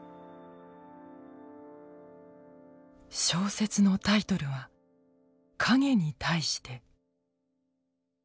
小説のタイトルは「影に対して」。